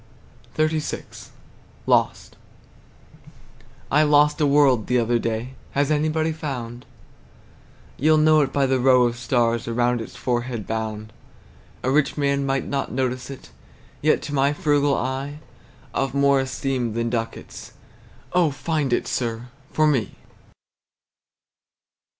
XXXVI. LOST. I lost a world the other day. Has anybody found? You'll know it by the row of stars Around its forehead bound. A rich man might not notice it; Yet to my frugal eye Of more esteem than ducats. Oh, find it, sir, for me!